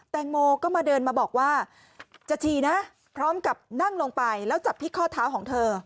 แตงโมก็มาเดินมาบอกว่าจะฉี่นะพร้อมกับนั่งลงไปแล้วจับที่ข้อเท้าของเธอ